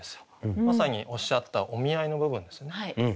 まさにおっしゃった「お見合い」の部分ですよね。